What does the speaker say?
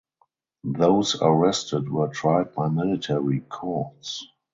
Those arrested were tried by military courts.